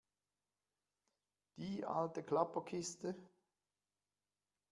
Die alte Klapperkiste?